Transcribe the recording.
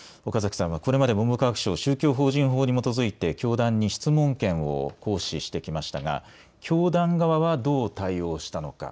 これまで文部科学省、宗教法人法に基づいて教団に質問権を行使してきましたが教団側はどう対応したのか。